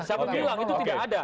siapa bilang itu tidak ada